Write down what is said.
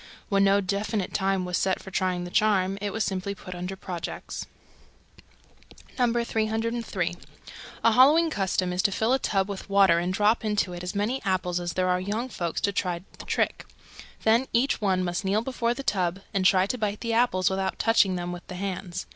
When no definite time was set for trying the charm, it was simply put under "projects." 303. A Halloween custom is to fill a tub with water and drop into it as many apples as there are young folks to try the trick. Then each one must kneel before the tub and try to bite the apples without touching them with the hands.